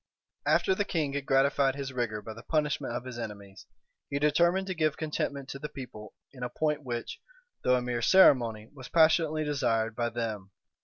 After the king had gratified his rigor by the punishment of his enemies, he determined to give contentment to the people in a point which, though a mere ceremony, was passionately desired by them.